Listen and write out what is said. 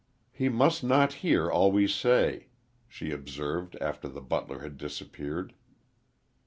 "He must not hear all we say," she observed after the butler had disappeared.